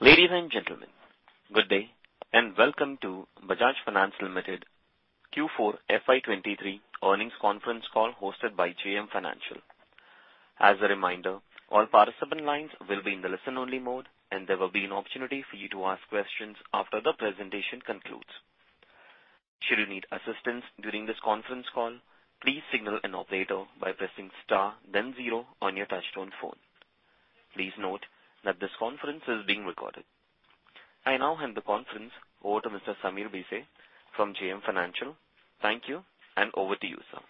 Ladies and gentlemen, good day and welcome to Bajaj Finance Limited Q4 FY23 earnings conference call hosted by JM Financial. As a reminder, all participant lines will be in the listen-only mode, and there will be an opportunity for you to ask questions after the presentation concludes. Should you need assistance during this conference call, please signal an operator by pressing star then 0 on your touchtone phone. Please note that this conference is being recorded. I now hand the conference over to Mr. Sameer Bhise from JM Financial. Thank you, and over to you, sir.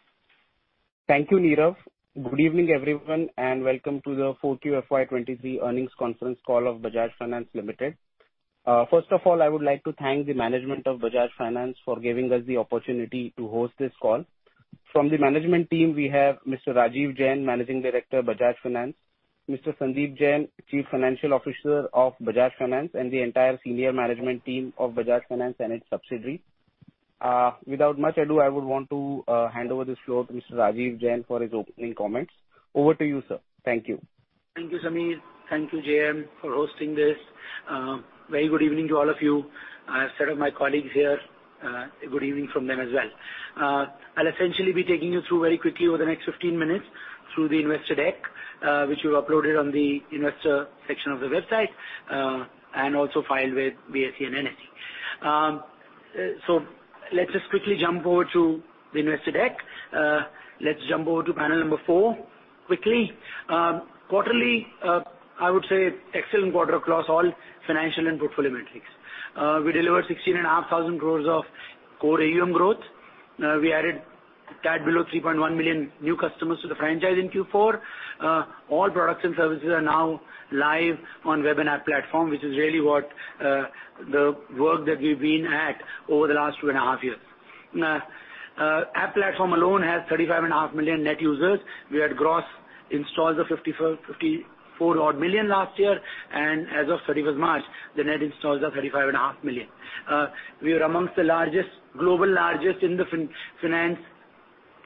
Thank you, Nirav. Good evening, everyone, and welcome to the 4Q FY23 earnings conference call of Bajaj Finance Limited. First of all, I would like to thank the management of Bajaj Finance for giving us the opportunity to host this call. From the management team, we have Mr. Rajeev Jain, Managing Director, Bajaj Finance; Mr. Sandeep Jain, Chief Financial Officer of Bajaj Finance; and the entire senior management team of Bajaj Finance and its subsidiary. Without much ado, I would want to hand over this floor to Mr. Rajeev Jain for his opening comments. Over to you, sir. Thank you. Thank you, Sameer. Thank you, JM Financial, for hosting this. Very good evening to all of you. I have set up my colleagues here, a good evening from them as well. I'll essentially be taking you through very quickly over the next 15 minutes through the investor deck, which we've uploaded on the investor section of the website, and also filed with BSE and NSE. Let's just quickly jump over to the investor deck. Let's jump over to panel number 4 quickly. Quarterly, I would say excellent quarter across all financial and portfolio metrics. We delivered 16 and a half thousand crores of core AUM growth. We added a tad below 3.1 million new customers to the franchise in Q4. All products and services are now live on web and app platform, which is really what, the work that we've been at over the last two and a half years. App platform alone has 35.5 million net users. We had gross installs of 54 odd million last year, and as of 31st March, the net installs are 35.5 million. We are amongst the largest, global largest in the fintech place in,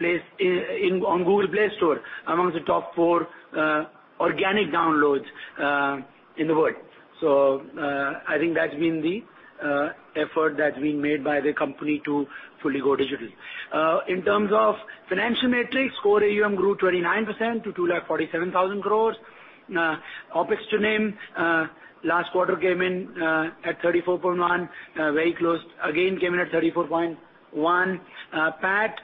on Google Play Store, amongst the top four, organic downloads, in the world. I think that's been the effort that's been made by the company to fully go digital. In terms of financial metrics, core AUM grew 29% to 2,47,000 crores. OpEx to NIM, last quarter came in, at 34.1, very close. came in at 34.1. PAT,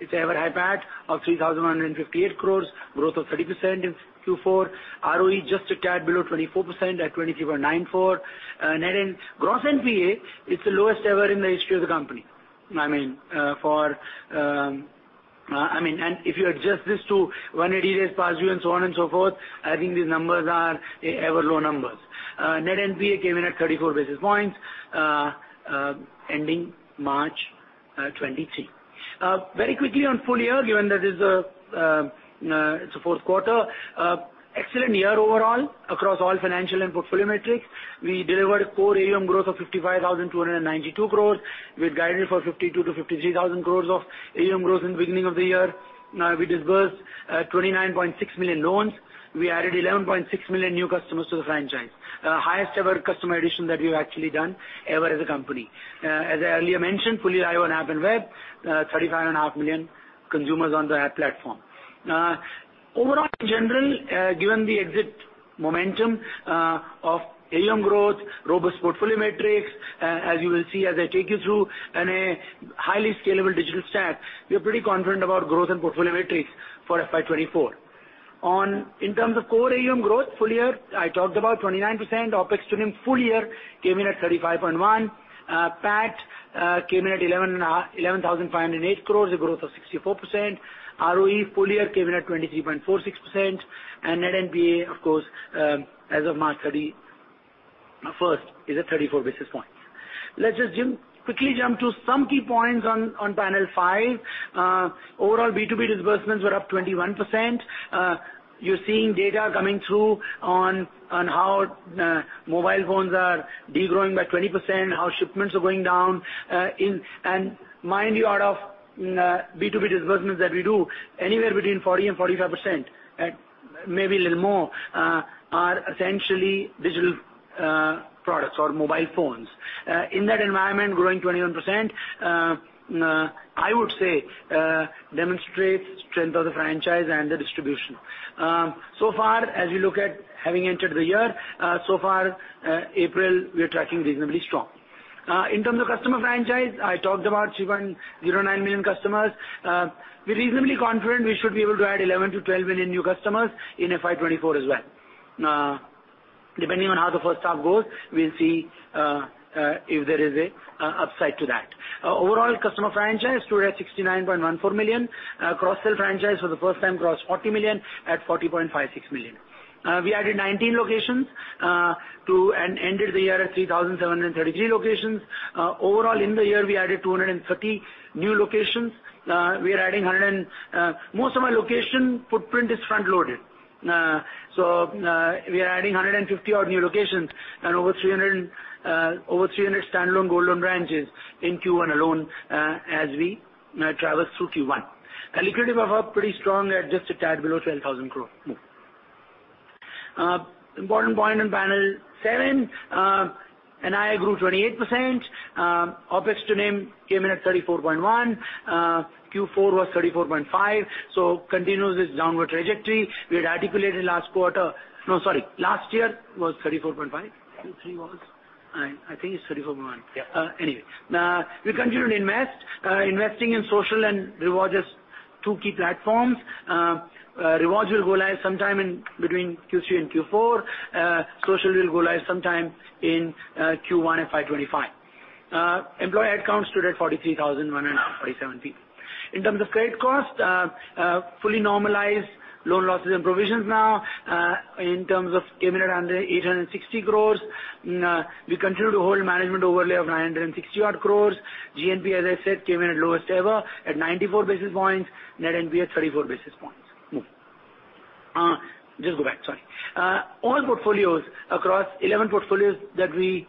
it's ever-high PAT of 3,158 crores, growth of 30% in Q4. ROE just a tad below 24% at 23.94%. Net and gross NPA, it's the lowest ever in the history of the company. I mean, I mean, if you adjust this to 180 days past due and so on and so forth, I think these numbers are ever low numbers. Net NPA came in at 34 basis points, ending March 2023. Very quickly on full year, given that this is, it's a fourth quarter, excellent year overall across all financial and portfolio metrics. We delivered core AUM growth of 55,292 crores. We had guided for 52,000-53,000 crores of AUM growth in the beginning of the year. We disbursed 29.6 million loans. We added 11.6 million new customers to the franchise. The highest ever customer addition that we've actually done ever as a company. As I earlier mentioned, fully live on app and web, 35 and a half million consumers on the app platform. Overall in general, given the exit momentum of AUM growth, robust portfolio metrics, as you will see as I take you through in a highly scalable digital stack, we are pretty confident about growth and portfolio metrics for FY 2024. In terms of core AUM growth full year, I talked about 29%. OpEx to NIM full year came in at 35.1%. PAT came in at 11,508 crore, a growth of 64%. ROE full year came in at 23.46%. Net NPA of course, as of March 31st, is at 34 basis points. Let's just quickly jump to some key points on panel 5. Overall B2B disbursements were up 21%. You're seeing data coming through on how mobile phones are degrowing by 20%, how shipments are going down. Mind you out of B2B disbursements that we do, anywhere between 40%-45%, maybe a little more, are essentially digital products or mobile phones. In that environment growing 21%, I would say, demonstrates strength of the franchise and the distribution. As you look at having entered the year, so far, April we are tracking reasonably strong. In terms of customer franchise, I talked about 3.09 million customers. We're reasonably confident we should be able to add 11-12 million new customers in FY24 as well. Depending on how the first half goes, we'll see if there is a upside to that. Overall customer franchise stood at 69.14 million. Cross-sell franchise for the first time crossed 40 million at 40.56 million. We added 19 locations to and ended the year at 3,733 locations. Overall in the year we added 230 new locations. Most of our location footprint is front-loaded. We are adding 150 odd new locations over 300 standalone gold loan branches in Q1 alone as we traverse through Q1. Our liquidity buffer pretty strong at just a tad below 12,000 crore. Move. Important point in panel 7, NII grew 28%. OPEX to NIM came in at 34.1. Q4 was 34.5, so continues its downward trajectory. We had articulated last quarter... No, sorry, last year was 34.5. Q3 was? I think it's 34.1. Yeah. Anyway. We continue to invest. Investing in social and rewards is two key platforms. Rewards will go live sometime in between Q3 and Q4. Social will go live sometime in Q1 FY25. Employee accounts stood at 43,147 people. In terms of credit cost, fully normalized loan losses and provisions now came in at under 860 crores. We continue to hold management overlay of 960 odd crores. GNPA, as I said, came in at lowest ever at 94 basis points. Net NPA at 34 basis points. Move. Just go back, sorry. All portfolios across 11 portfolios that we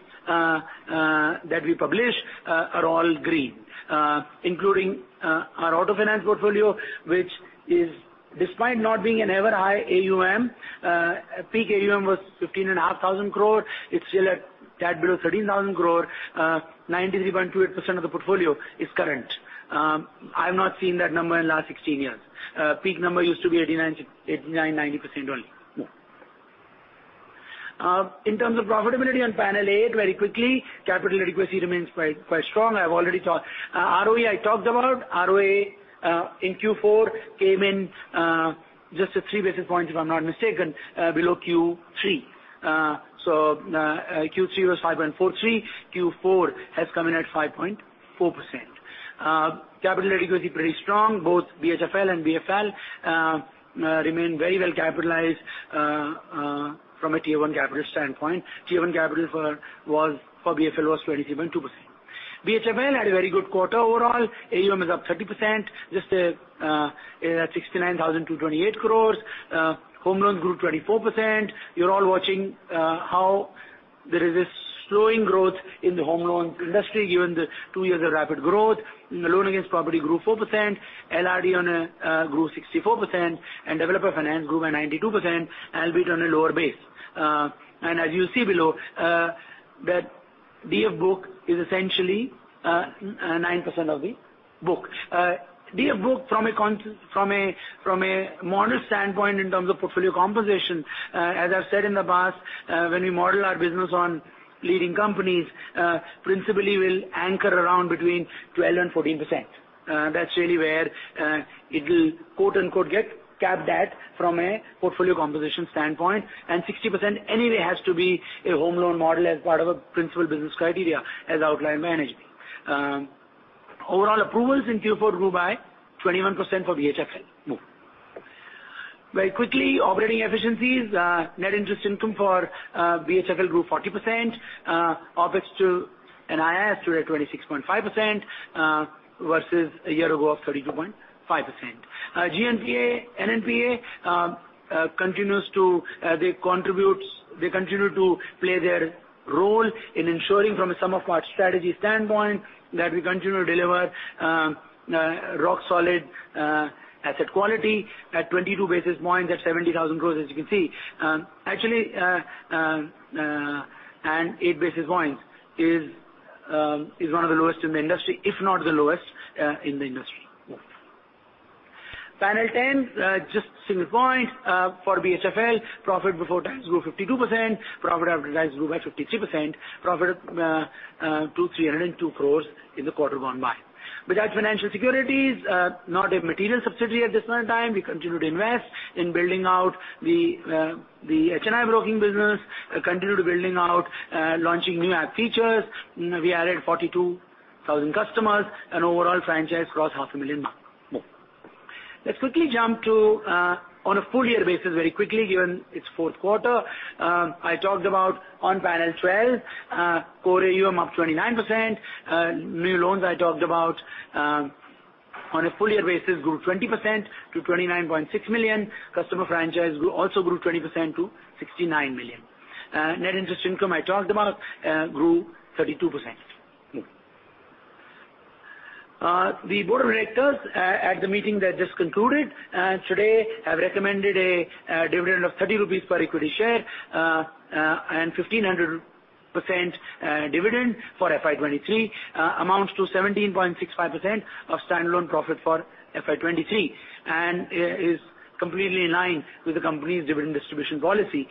publish are all green, including our AUM auto finance portfolio, which is despite not being an ever high AUM. Peak AUM was 15,500 crore. It's still at tad below 13,000 crore. 93.28% of the portfolio is current. I've not seen that number in last 16 years. Peak number used to be 89%-90% only. Move. In terms of profitability on panel 8, very quickly, capital adequacy remains quite strong. I've already talked. ROE I talked about. ROA in Q4 came in just at 3 basis points, if I'm not mistaken, below Q3. So Q3 was 5.43. Q4 has come in at 5.4%. Capital adequacy pretty strong. Both BHFL and BFL remain very well capitalized from a tier one capital standpoint. Tier one capital for BFL was 23.2%. BHFL had a very good quarter overall. AUM is up 30%. Just at 69,228 crores. Home loans grew 24%. You're all watching how there is this slowing growth in the home loan industry given the 2 years of rapid growth. Loan against property grew 4%. LRD grew 64%, and developer finance grew by 92% and a bit on a lower base. As you see below, that DF book is essentially 9% of the book. DF book from a model standpoint in terms of portfolio composition, as I've said in the past, when we model our business on leading companies, principally will anchor around between 12% and 14%. That's really where it'll quote unquote, "Get cap debt from a portfolio composition standpoint." 60% anyway has to be a home loan model as part of a principal business criteria as outlined by NHB. Overall approvals in Q4 grew by 21% for BHFL. Move. Very quickly, operating efficiencies. Net interest income for BHFL grew 40%. OpEx to NII stood at 26.5% versus a year ago of 32.5%. GNPA, NNPA continues to they continue to play their role in ensuring from a sum of our strategy standpoint that we continue to deliver rock solid asset quality at 22 basis points at 70,000 crores, as you can see. Actually, 8 basis points is one of the lowest in the industry, if not the lowest in the industry. Move. Panel 10, just single point for BHFL. Profit before tax grew 52%. Profit after tax grew by 53%. Profit to 302 crores in the quarter gone by. Bajaj Financial Securities, not a material subsidiary at this point in time. We continue to invest in building out the HNI broking business, continue to building out, launching new app features. You know, we added 42,000 customers, overall franchise crossed half a million mark. Move. Let's quickly jump to on a full year basis very quickly, given its fourth quarter. I talked about on panel 12, core AUM up 29%. New loans I talked about on a full year basis grew 20% to 29.6 million. Customer franchise also grew 20% to 69 million. Net interest income, I talked about, grew 32%. Move. The board of directors at the meeting that just concluded today have recommended a dividend of 30 rupees per equity share and 1,500% dividend for FY 2023. amounts to 17.65% of standalone profit for FY23 and is completely in line with the company's dividend distribution policy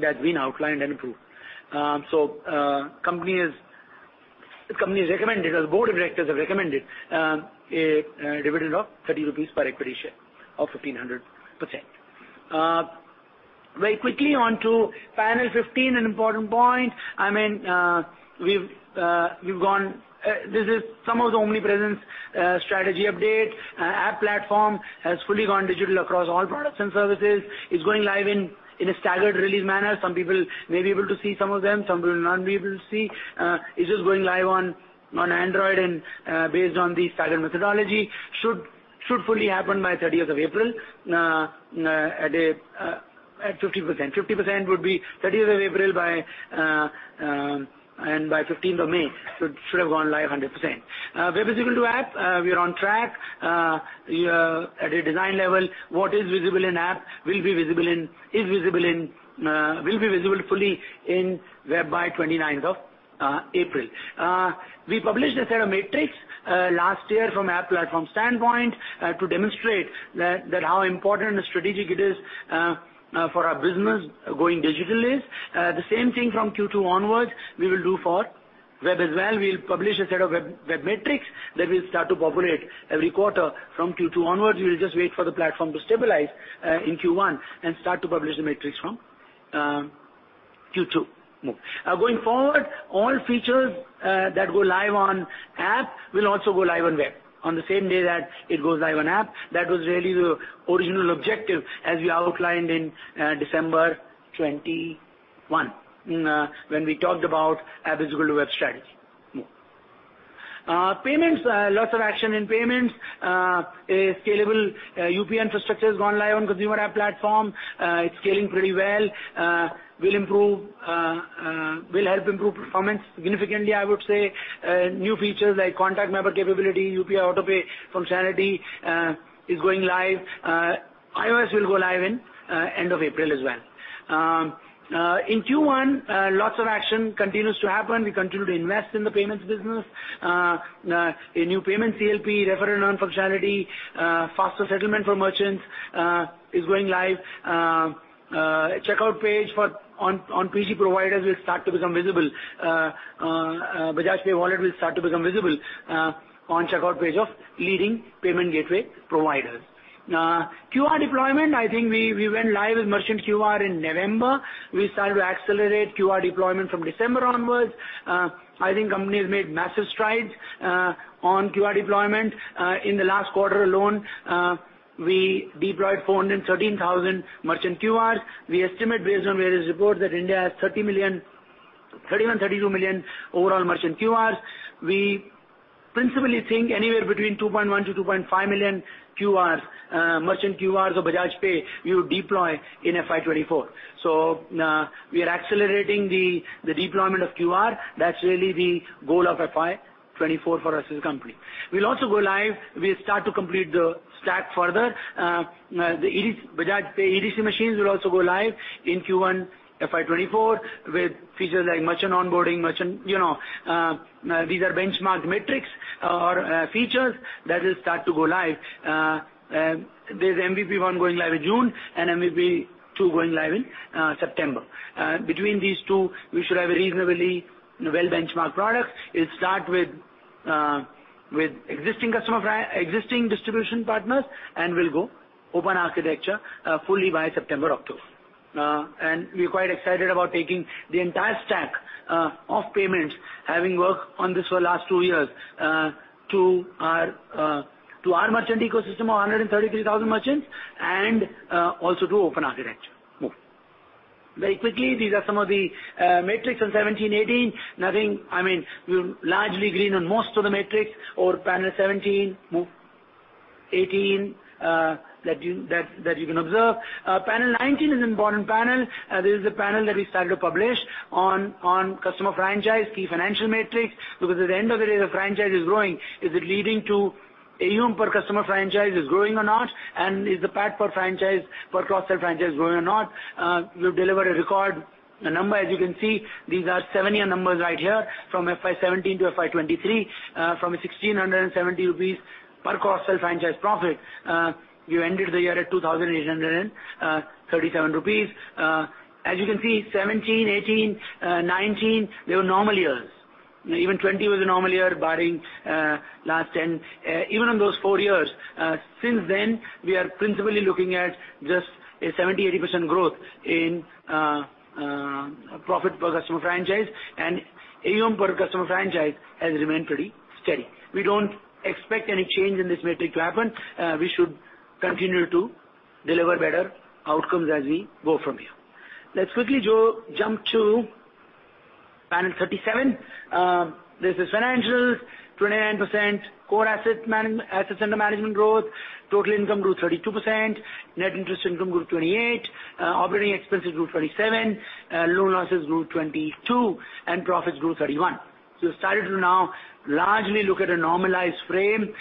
that's been outlined and approved. So, the company's recommended, or the board of directors have recommended, a dividend of 30 rupees per equity share of 1,500%. Very quickly on to panel 15, an important point. I mean, we've gone. This is some of the omnipresence strategy update. App platform has fully gone digital across all products and services. It's going live in a staggered release manner. Some people may be able to see some of them, some people will not be able to see. It's just going live on Android and based on the staggered methodology. Should fully happen by 30s of April, at 50%. 50% would be 30s of April, and by 15th of May should have gone live 100%. Web is equal to app. We are on track. Yeah, at a design level, what is visible in app will be visible in, will be visible fully in web by 29th of April. We published a set of metrics last year from app platform standpoint, to demonstrate that how important and strategic it is for our business going digital is. The same thing from Q2 onwards, we will do for web as well. We'll publish a set of web metrics that we'll start to populate every quarter from Q2 onwards. We will just wait for the platform to stabilize in Q1 and start to publish the metrics from Q2. Move. Going forward, all features that go live on app will also go live on web on the same day that it goes live on app. That was really the original objective as we outlined in December 2021 when we talked about app visible to web strategy. Move. Payments. Lots of action in payments. A scalable UPI infrastructure has gone live on consumer app platform. It's scaling pretty well. Will improve, will help improve performance significantly, I would say. New features like contact number capability, UPI autopay functionality, is going live. iOS will go live in end of April as well. In Q1, lots of action continues to happen. We continue to invest in the payments business. A new payment CLP refer and earn functionality, faster settlement for merchants, is going live. Checkout page for on PG providers will start to become visible. Bajaj Pay wallet will start to become visible on checkout page of leading payment gateway providers. QR deployment, I think we went live with merchant QR in November. We started to accelerate QR deployment from December onwards. I think company has made massive strides on QR deployment. In the last quarter alone, we deployed 413,000 merchant QRs. We estimate based on various reports that India has 30 million, 31 million, 32 million overall merchant QRs. We principally think anywhere between 2.1 million-2.5 million QRs, merchant QRs of Bajaj Pay we will deploy in FY 2024. We are accelerating the deployment of QR. That's really the goal of FY 2024 for us as a company. We'll also go live. We'll start to complete the stack further. Bajaj Pay EDC machines will also go live in Q1 FY 2024 with features like merchant onboarding, merchant, you know, these are benchmarked metrics or features that will start to go live. There's MVP 1 going live in June and MVP 2 going live in September. Between these two, we should have a reasonably well-benchmarked product. It'll start with existing distribution partners, and we'll go open architecture fully by September, October. And we're quite excited about taking the entire stack, of payments, having worked on this for the last 2 years, to our merchant ecosystem of 133,000 merchants and, also to open architecture. Move. Very quickly, these are some of the, metrics on 17, 18. Nothing... I mean, we're largely green on most of the metrics or panel 17. Move. 18, that you, that you can observe. Panel 19 is an important panel. This is a panel that we started to publish on customer franchise key financial metrics because at the end of the day, the franchise is growing. Is it leading to AUM per customer franchise is growing or not, and is the PAT per franchise, per cross-sell franchise growing or not? We've delivered a record number, as you can see. These are 7-year numbers right here from FY 2017 to FY 2023. From INR 1,670 per cross-sell franchise profit, we ended the year at 2,837 rupees. As you can see, 2017, 2018, 2019, they were normal years. Even 2020 was a normal year barring last ten. Even on those 4 years, since then, we are principally looking at just a 70%-80% growth in profit per customer franchise, and AUM per customer franchise has remained pretty steady. We don't expect any change in this metric to happen. We should continue to deliver better outcomes as we go from here. Let's quickly go, jump to panel 37. This is financials. 29% core assets under management growth. Total income grew 32%. Net interest income grew 28%. Operating expenses grew 27%. Loan losses grew 22%. Profits grew 31%. We've started to now largely look at a normalized frame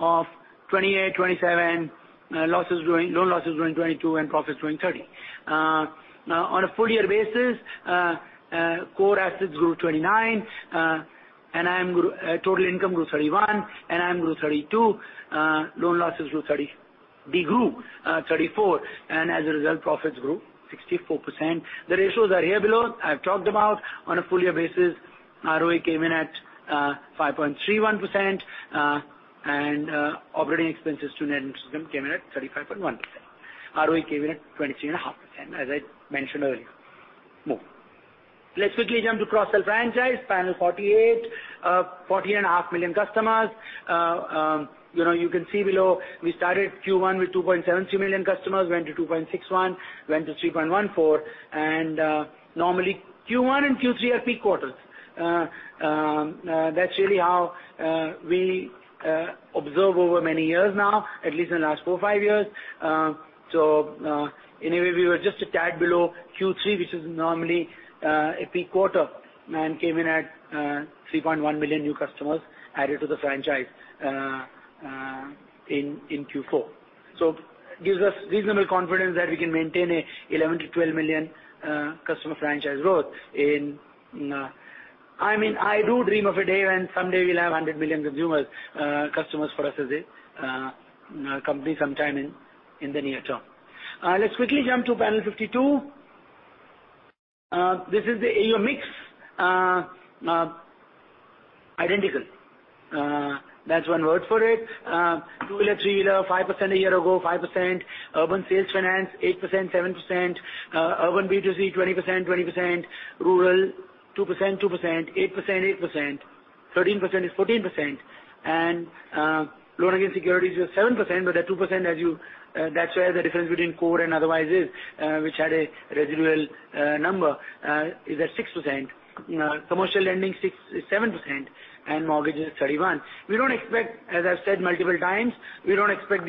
of 28%, 27%. Loan losses growing 22%, and profits growing 30%. On a full year basis, core assets grew 29%. NIM grew, total income grew 31%. NIM grew 32%. Loan losses de-grew 34%. As a result, profits grew 64%. The ratios are here below. I've talked about on a full year basis, ROE came in at 5.31%. Operating expenses to Net Interest Income came in at 35.1%. ROE came in at 23.5%, as I mentioned earlier. Move. Let's quickly jump to cross-sell franchise, panel 48. 40.5 million customers. you know, you can see below we started Q1 with 2.73 million customers, went to 2.61, went to 3.14. normally Q1 and Q3 are peak quarters. that's really how we observe over many years now, at least in the last 4 or 5 years. anyway, we were just a tad below Q3, which is normally a peak quarter, and came in at 3.1 million new customers added to the franchise in Q4. gives us reasonable confidence that we can maintain a 11-12 million customer franchise growth. I mean, I do dream of a day when someday we'll have 100 million consumers, customers for us as a company sometime in the near term. Let's quickly jump to panel 52. This is the AUM mix. Identical. That's one word for it. Two-wheeler, three-wheeler 5% a year ago, 5%. Urban sales finance 8%, 7%. Urban B2C 20%, 20%. Rural 2%, 2%. 8%, 8%. 13% is 14%. Loan against security is just 7%, but that 2% as you that's where the difference between core and otherwise is, which had a residual number, is at 6%. Commercial lending is 7% and mortgage is 31%. We don't expect as I've said multiple times, we don't expect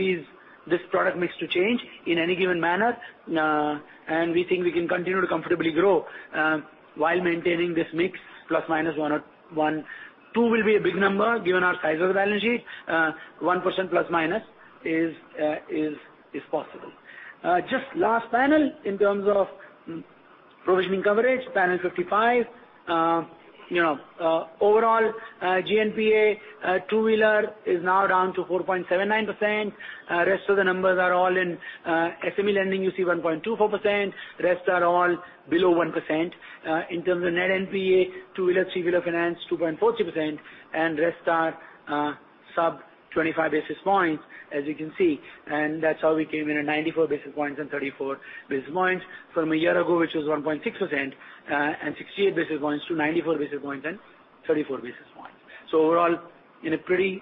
this product mix to change in any given manner. We think we can continue to comfortably grow while maintaining this mix plus minus 1 or 1. Two will be a big number given our size of the balance sheet. 1% plus minus is possible. Just last panel in terms of provisioning coverage, panel 55. You know, overall GNPA, two-wheeler is now down to 4.79%. Rest of the numbers are all in SME lending you see 1.24%. Rest are all below 1%. In terms of net NPA, two-wheeler, three-wheeler finance 2.40%, and rest are sub 25 basis points as you can see. That's how we came in at 94 basis points and 34 basis points from a year ago, which was 1.6%, and 68 basis points to 94 basis points and 34 basis points. Overall in a pretty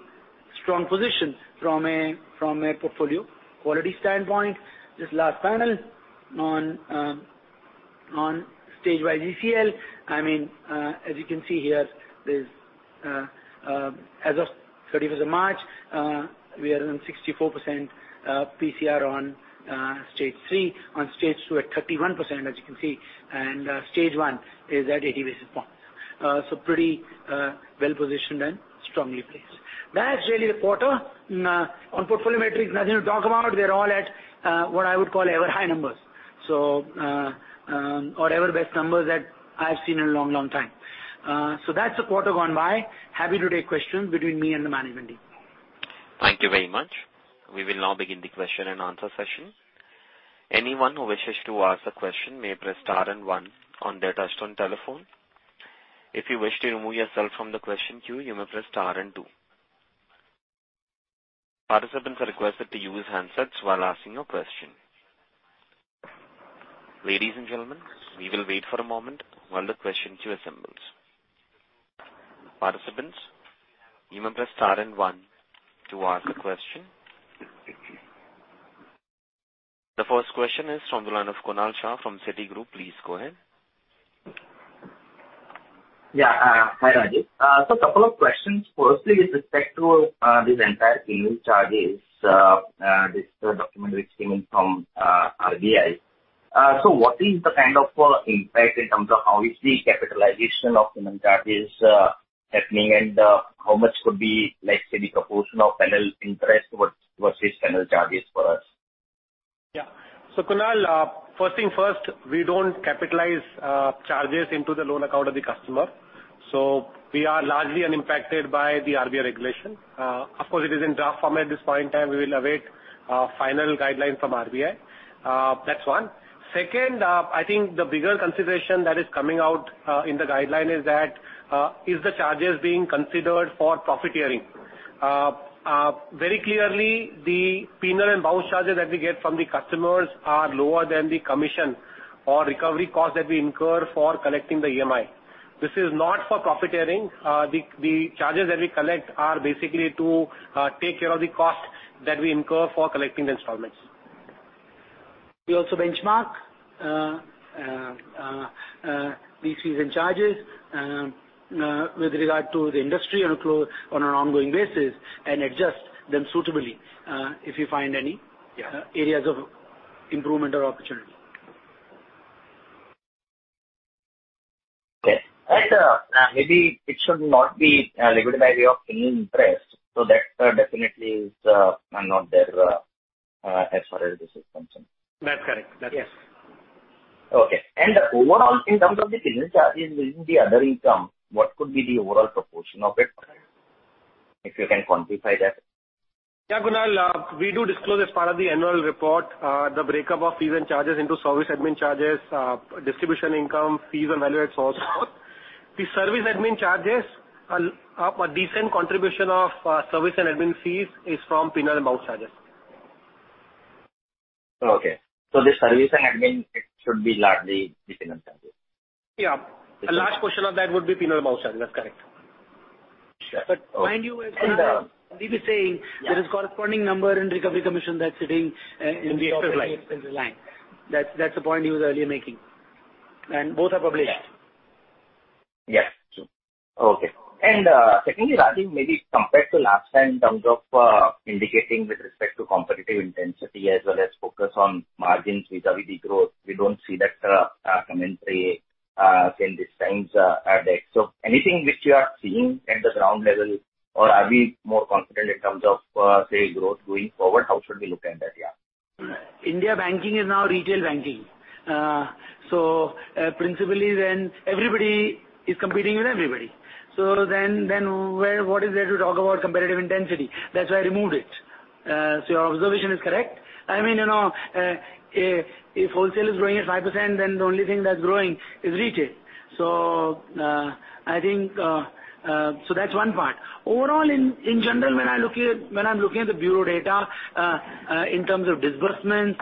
strong position from a portfolio quality standpoint. Just last panel on stage-wise GCL. I mean, as you can see here, there's as of 31st of March, we are around 64% PCR on Stage 3. On Stage 2 at 31% as you can see. Stage 1 is at 80 basis points. Pretty well-positioned and strongly placed. That's really the quarter. On portfolio metrics, nothing to talk about. We are all at what I would call ever high numbers. Or ever best numbers that I've seen in a long, long time. That's the quarter gone by. Happy to take questions between me and the management team. Thank you very much. We will now begin the question-and-answer session. Anyone who wishes to ask a question may press star and one on their touchtone telephone. If you wish to remove yourself from the question queue, you may press star and two. Participants are requested to use handsets while asking your question. Ladies and gentlemen, we will wait for a moment while the question queue assembles. Participants, you may press star and one to ask a question. The first question is from the line of Kunal Shah from Citigroup. Please go ahead. Hi, Rajeev. Couple of questions. Firstly, with respect to this entire penal charges, this document which came in from RBI. What is the kind of impact in terms of how is the capitalization of penal charges happening, and how much could be, let's say, the proportion of penal interest versus penal charges for us? Yeah. Kunal, first thing first, we don't capitalize charges into the loan account of the customer. We are largely unimpacted by the RBI regulation. Of course, it is in draft form at this point in time. We will await final guideline from RBI. That's one. Second, I think the bigger consideration that is coming out in the guideline is that is the charges being considered for profiteering. Very clearly, the penal and bounce charges that we get from the customers are lower than the commission or recovery cost that we incur for collecting the EMI. This is not for profiteering. The charges that we collect are basically to take care of the costs that we incur for collecting the installments. We also benchmark these fees and charges with regard to the industry on an ongoing basis and adjust them suitably if we find any. Yeah. areas of improvement or opportunity. Okay. Right. Maybe it should not be liquidated by way of penal interest, that definitely is not there as far as this is concerned. That's correct. Yes. Okay. Overall, in terms of the penal charges within the other income, what could be the overall proportion of it? If you can quantify that. Yeah, Kunal. We do disclose as part of the annual report, the breakup of fees and charges into service admin charges, distribution income, fees on value-add source. The service admin charges, a decent contribution of service and admin fees is from penal and bounce charges. Okay. The service and admin, it should be largely the payment charges? Yeah. Okay. A large portion of that would be penal and bounce charges, that's correct. Sure. Okay. mind you, as Rajeev was saying. Yeah. there is corresponding number in recovery commission that's sitting, in the. In the expense line. -expense line. That's the point he was earlier making. Both are published. Yeah. Yes. True. Okay. Secondly, Rajeev, maybe compared to last time in terms of indicating with respect to competitive intensity as well as focus on margins vis-a-vis growth, we don't see that commentary in this time's decks. Anything which you are seeing at the ground level, or are we more confident in terms of say, growth going forward? How should we look at that? India banking is now retail banking. Principally everybody is competing with everybody. What is there to talk about competitive intensity? That's why I removed it. Your observation is correct. I mean, you know, if wholesale is growing at 5%, the only thing that's growing is retail. I think that's one part. Overall in general, when I'm looking at the bureau data, in terms of disbursements,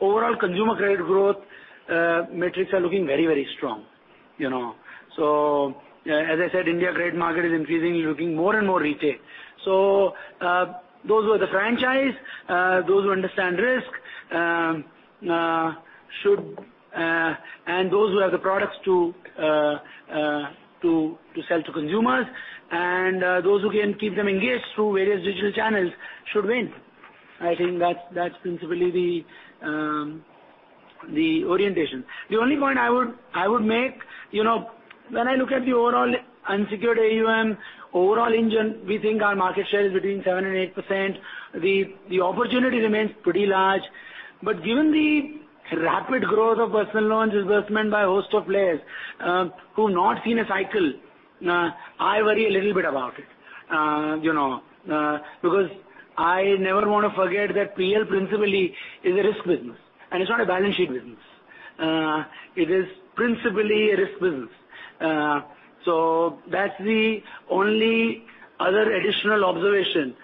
overall consumer credit growth metrics are looking very, very strong, you know? As I said, India credit market is increasingly looking more and more retail. Those who are the franchise, those who understand risk, should. Those who have the products to sell to consumers, and those who can keep them engaged through various digital channels should win. I think that's principally the orientation. The only point I would make, you know, when I look at the overall unsecured AUM, overall engine, we think our market share is between 7% and 8%. The opportunity remains pretty large. Given the rapid growth of personal loan disbursement by a host of players, who've not seen a cycle, I worry a little bit about it. You know, because I never wanna forget that PL principally is a risk business, and it's not a balance sheet business. It is principally a risk business. That's the only other additional observation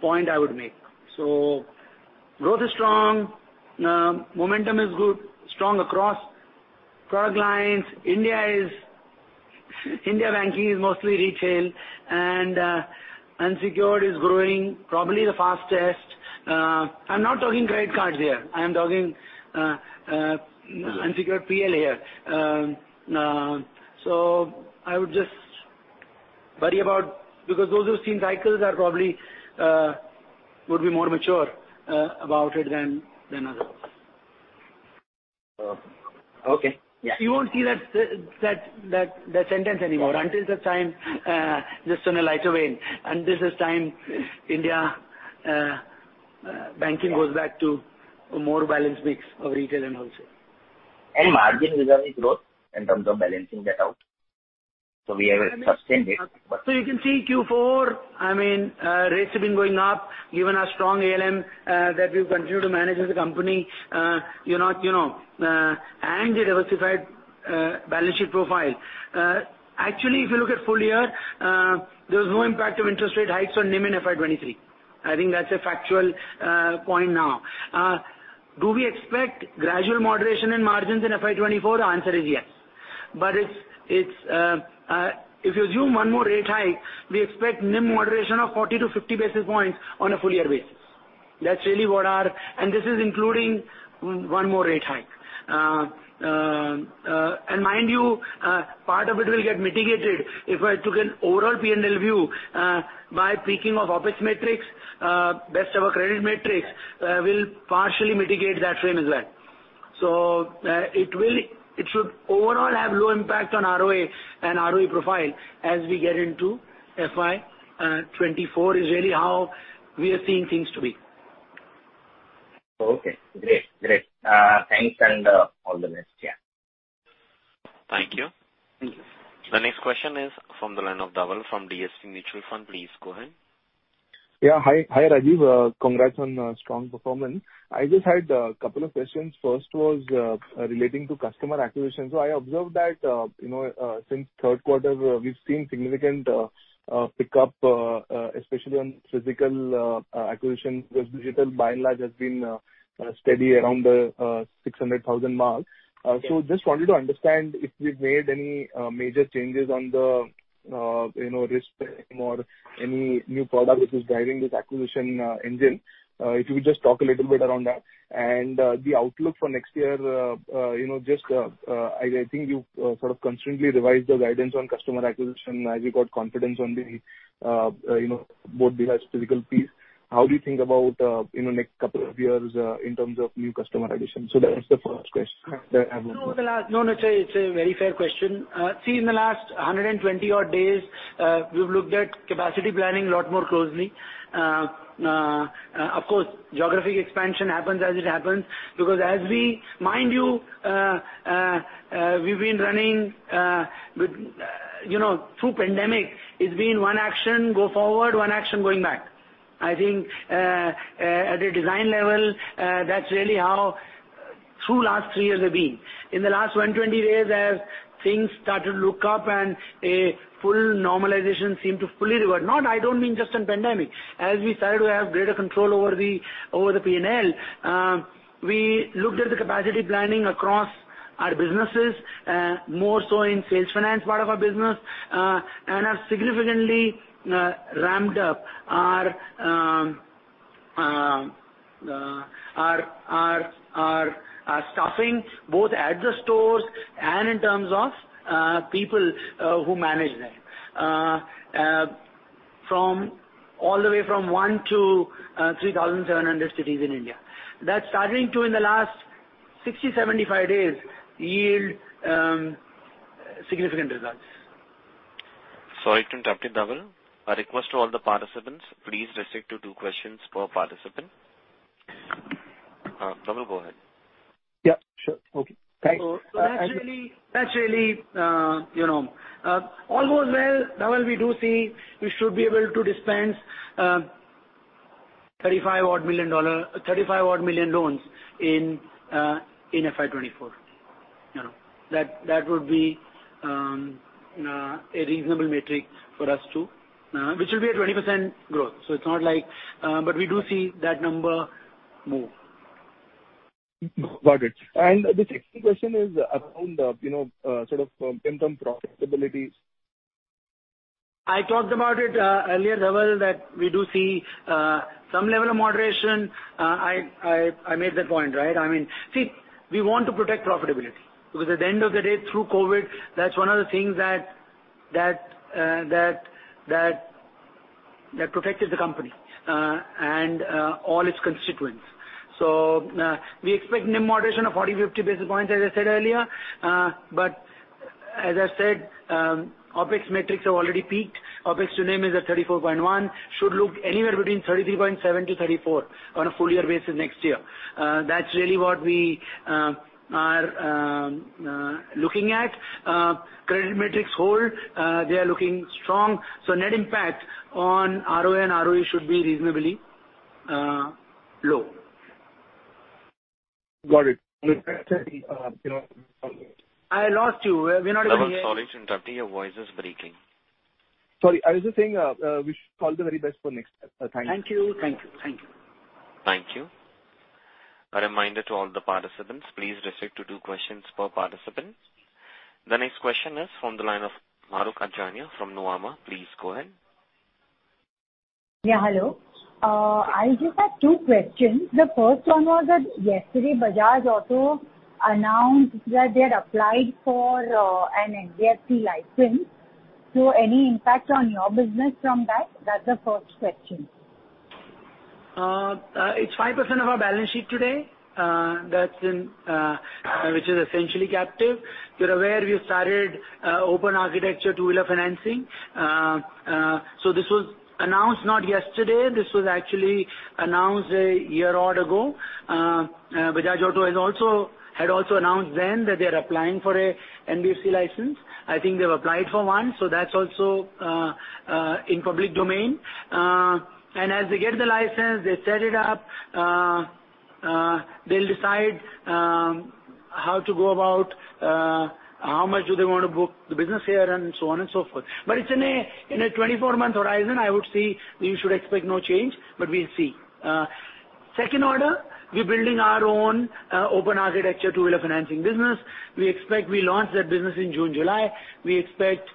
point I would make. Growth is strong. Momentum is good, strong across product lines. India banking is mostly retail and unsecured is growing probably the fastest. I'm not talking credit cards here. I'm talking. Yes. unsecured PL here. I would just worry about. Because those who've seen cycles are probably would be more mature about it than others. Okay. You won't see that sentence anymore until the time, just in a lighter vein, until the time India, banking goes back to a more balanced mix of retail and wholesale. Margin vis-a-vis growth in terms of balancing that out. We have a sustained rate. You can see Q4, I mean, rates have been going up given our strong ALM that we've continued to manage as a company, you know, and a diversified balance sheet profile. If you look at full year, there was no impact of interest rate hikes on NIM in FY 2023. I think that's a factual point now. Do we expect gradual moderation in margins in FY 2024? The answer is yes. It's, if you assume 1 more rate hike, we expect NIM moderation of 40 to 50 basis points on a full year basis. That's really what our. This is including 1 more rate hike. Mind you, part of it will get mitigated if I took an overall P&L view, by peaking of OpEx metrics, best ever credit metrics, will partially mitigate that same as well. It should overall have low impact on ROA and ROE profile as we get into FY 2024 is really how we are seeing things to be. Okay. Great. Great. Thanks and all the best. Yeah. Thank you. Thank you. The next question is from the line of Dhaval from DSP Mutual Fund. Please go ahead. Hi. Hi, Rajeev. Congrats on strong performance. I just had a couple of questions. First was relating to customer acquisition. I observed that, you know, since third quarter, we've seen significant pickup especially on physical acquisition because digital by and large has been steady around the 600,000 mark. Just wanted to understand if we've made any major changes on the, you know, risk or any new product which is driving this acquisition engine. If you could just talk a little bit around that. The outlook for next year, you know, just, I think you sort of constantly revised the guidance on customer acquisition as you got confidence on the, you know, both the large physical piece. How do you think about, you know, next couple of years, in terms of new customer addition? That was the first question that I have. No, no, it's a very fair question. See, in the last 120 odd days, we've looked at capacity planning a lot more closely. Of course, geographic expansion happens as it happens because as we... Mind you, we've been running with, you know, through pandemic, it's been one action go forward, one action going back. I think, at a design level, that's really how last three years have been. In the last 120 days as things started to look up and a full normalization seemed to fully revert. Not I don't mean just in pandemic. As we started to have greater control over the P&L, we looked at the capacity planning across our businesses, more so in sales finance part of our business, have significantly ramped up our staffing both at the stores and in terms of people who manage them. From all the way from 1 to 3,700 cities in India. That's starting to in the last 60, 75 days yield significant results. Sorry to interrupt you, Dhaval. A request to all the participants, please restrict to 2 questions per participant. Dhaval, go ahead. Yeah, sure. Okay, thanks. That's really, you know. All goes well, Dhaval, we do see we should be able to dispense 35 odd million dollar, 35 odd million loans in FY 2024. You know. That would be a reasonable metric for us to. Which will be a 20% growth. It's not like, but we do see that number move. Got it. The second question is around, you know, sort of NIM profitabilities. I talked about it, earlier, Dhaval, that we do see some level of moderation. I made that point, right? I mean, see, we want to protect profitability because at the end of the day through COVID, that's one of the things that protected the company and all its constituents. We expect NIM moderation of 40-50 basis points, as I said earlier. As I said, OpEx metrics have already peaked. OpEx to NIM is at 34.1. Should look anywhere between 33.7-34 on a full year basis next year. That's really what we are looking at. Credit metrics hold, they are looking strong. Net impact on ROA and ROE should be reasonably low. Got it. you know. I lost you. We're not able to hear. Dhaval, sorry to interrupt you. Your voice is breaking. Sorry. I was just saying, wish you all the very best for next year. Thank you. Thank you. Thank you. Thank you. Thank you. A reminder to all the participants, please restrict to two questions per participant. The next question is from the line of Mahrukh Adajania from Nomura. Please go ahead. Yeah, hello. I just have 2 questions. The 1st one was that yesterday Bajaj Auto announced that they had applied for an NBFC license. Any impact on your business from that? That's the 1st question. It's 5% of our balance sheet today. That's in, which is essentially captive. You're aware we started open architecture two-wheeler financing. This was announced not yesterday, this was actually announced a year odd ago. Bajaj Auto had also announced then that they're applying for an NBFC license. I think they've applied for one, so that's also in public domain. As they get the license, they set it up, they'll decide how to go about, how much do they want to book the business here and so on and so forth. It's in a 24-month horizon, I would say we should expect no change, but we'll see. Second order, we're building our own open architecture two-wheeler financing business. We expect we launch that business in June, July. We expect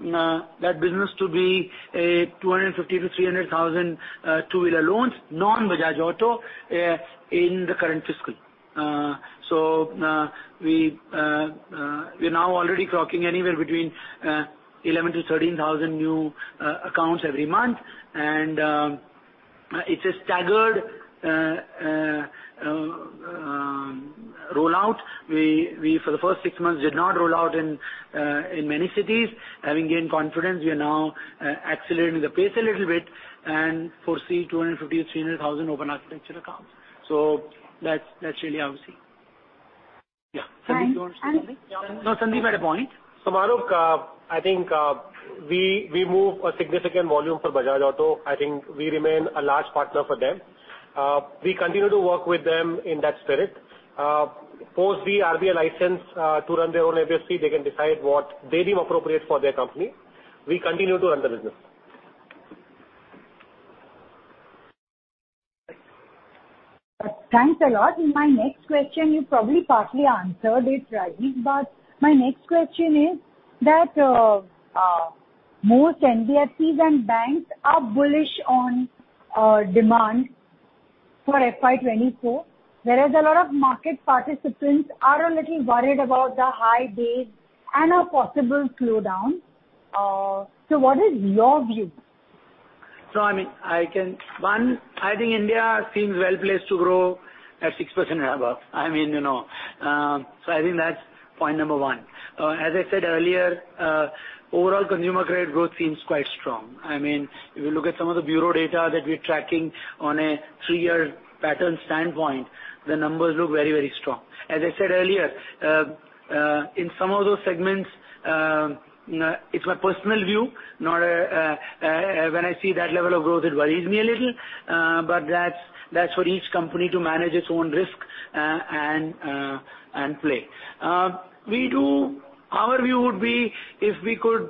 that business to be 250,000-300,000 two-wheeler loans, non-Bajaj Auto, in the current fiscal. We're now already clocking anywhere between 11,000-13,000 new accounts every month. It's a staggered rollout. We for the first six months did not roll out in many cities. Having gained confidence, we are now accelerating the pace a little bit and foresee 250,000-300,000 open architecture accounts. That's, that's really how we see. Yeah. Sandeep, do you want to say something? Thanks. No, Sandeep had a point. Mahrukh, I think, we move a significant volume for Bajaj Auto. I think we remain a large partner for them. We continue to work with them in that spirit. Post the RBI license, to run their own NFC, they can decide what they deem appropriate for their company. We continue to run the business. Thanks a lot. My next question, you probably partly answered it, right? My next question is that most NBFCs and banks are bullish on demand for FY 2024, whereas a lot of market participants are a little worried about the high base and a possible slowdown. What is your view? I mean, I can One, I think India seems well placed to grow at 6% and above. I mean, you know, I think that's point number one. As I said earlier, overall consumer credit growth seems quite strong. I mean, if you look at some of the bureau data that we're tracking on a 3-year pattern standpoint, the numbers look very, very strong. As I said earlier, in some of those segments, it's my personal view, not a... When I see that level of growth, it worries me a little, but that's for each company to manage its own risk and play. Our view would be if we could,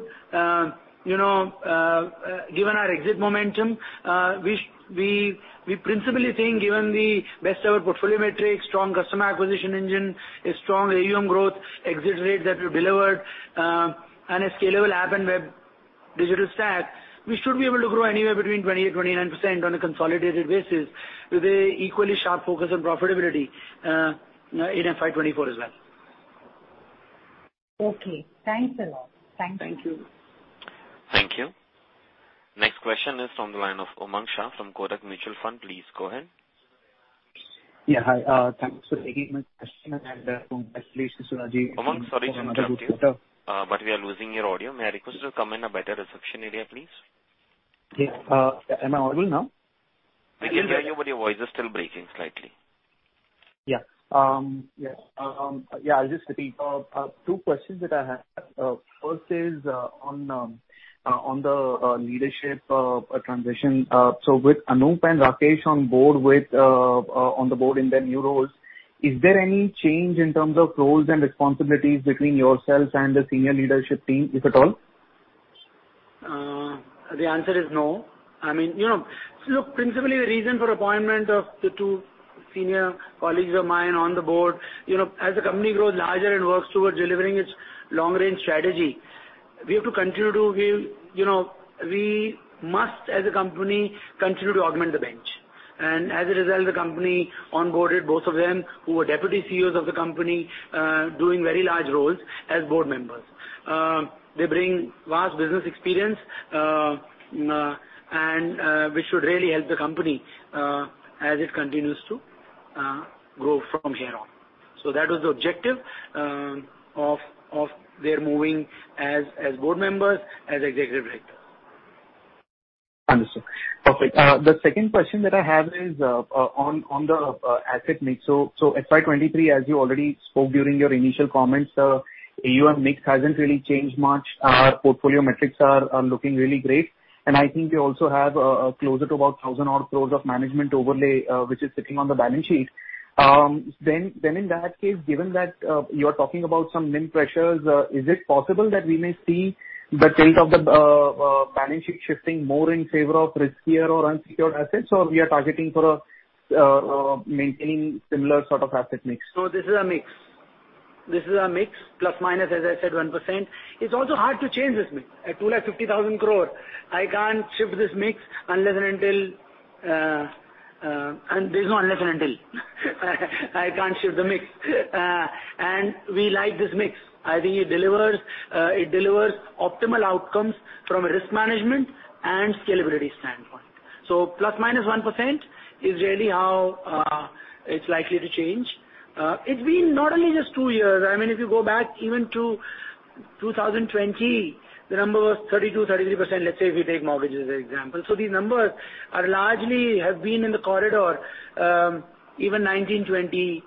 you know, given our exit momentum, we principally think, given the best of our portfolio metrics, strong customer acquisition engine, a strong AUM growth, exit rates that we've delivered, and a scalable app and web digital stack, we should be able to grow anywhere between 20%-29% on a consolidated basis with a equally sharp focus on profitability, in FY 2024 as well. Okay. Thanks a lot. Thank you. Thank you. Next question is from the line of Umang Shah from Kotak Mutual Fund. Please go ahead. Yeah. Hi. Thanks for taking my question and, congratulations, Sujeev... Umang, sorry to interrupt you, but we are losing your audio. May I request you to come in a better reception area, please? Okay. Am I audible now? We can hear you, but your voice is still breaking slightly. I'll just repeat. 2 questions that I have. First is on the leadership transition. With Anup and Rakesh on board with on the board in their new roles, is there any change in terms of roles and responsibilities between yourself and the senior leadership team, if at all? The answer is no. I mean, you know. Look, principally, the reason for appointment of the two senior colleagues of mine on the board, you know, as the company grows larger and works towards delivering its long-range strategy, we have to continue to give, you know, we must, as a company, continue to augment the bench. As a result, the company onboarded both of them, who were deputy CEOs of the company, doing very large roles as board members. They bring vast business experience, and which should really help the company as it continues to grow from here on. That was the objective of their moving as board members, as executive directors. Understood. Perfect. The second question that I have is on the asset mix. FY23, as you already spoke during your initial comments, AUM mix hasn't really changed much. Portfolio metrics are looking really great. I think you also have closer to about 1,000 odd crores of management overlay, which is sitting on the balance sheet. In that case, given that you're talking about some NIM pressures, is it possible that we may see the tilt of the balance sheet shifting more in favor of riskier or unsecured assets, or we are targeting for maintaining similar sort of asset mix? This is a mix. This is a mix, plus minus, as I said, 1%. It's also hard to change this mix. At 250,000 crore, I can't shift this mix unless and until. There's no unless and until. I can't shift the mix. We like this mix. I think it delivers, it delivers optimal outcomes from a risk management and scalability standpoint. Plus minus 1% is really how it's likely to change. It's been not only just two years, I mean, if you go back even to 2020, the number was 32%-33%, let's say if we take mortgage as an example. These numbers are largely have been in the corridor, even 19/20,